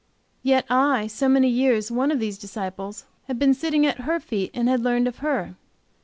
Yet I, so many years one of those disciples, been sitting at her feet, and had learned of her.